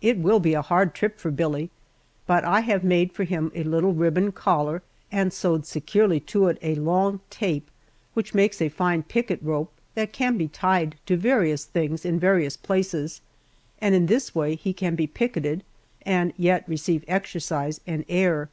It will be a hard trip for Billie, but I have made for him a little ribbon collar and sewed securely to it a long tape which makes a fine "picket rope" that can be tied to various things in various places, and in this way he can be picketed and yet receive exercise and air.